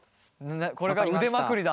これから腕まくりだ。